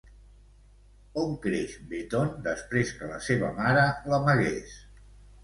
On creix Beton després que la seva mare l'amagués?